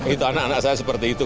itu anak anak saya seperti itu